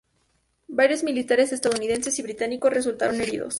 Varios militares estadounidenses y británicos resultaron heridos.